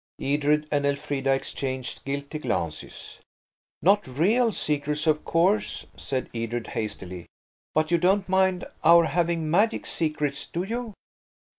Edred and Elfrida exchanged guilty glances. "Not real secrets, of course," said Edred, hastily; "but you don't mind our having magic secrets, do you?"